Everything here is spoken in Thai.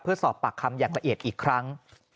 เพื่อสอบปากคำอย่างละเอียดอีกครั้ง